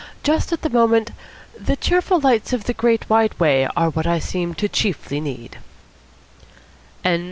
Just at the moment, the cheerful lights of the Great White Way are what I seem to chiefly need."